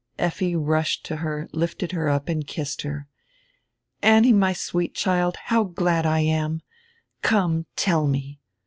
Effi rushed to her, lifted her up, and kissed her. "Annie, my sweet child, how glad I am! Come, tell me."